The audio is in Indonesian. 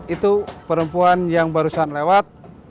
itu perempuan yang barusan lewat